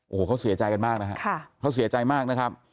โอ้โหเขาเสียใจกันมากนะครับเขาเสียใจมากนะครับ